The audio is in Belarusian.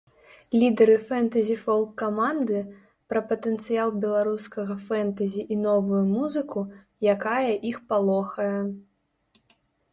Лідары фэнтэзі-фолк-каманды пра патэнцыял беларускага фэнтэзі і новую музыку, якая іх палохае.